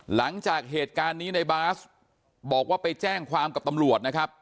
หลังจากเหตุการณ์นี้ในบาสบอกว่าไปแจ้งความกับตำรวจนะครับ